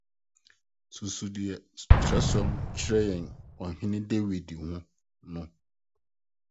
Susuw nea Bible kyerɛ yɛn wɔ Ɔhene Dawid ho no ho.